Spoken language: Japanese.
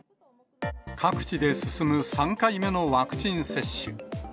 各地で進む３回目のワクチン接種。